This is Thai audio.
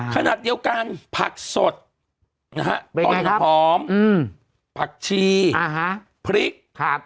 ขนาดเดียวกันผักสดนะฮะเป็นไงครับต้นหอมอืมผักชีอ่าฮะพริกครับ